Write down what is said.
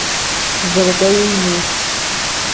زرگی مې